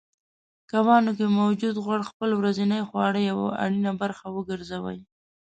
کبانو کې موجود غوړ خپل ورځنۍ خواړه یوه اړینه برخه وګرځوئ